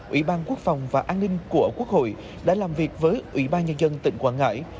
ubnd và an ninh của quốc hội đã làm việc với ubnd tỉnh quảng ngãi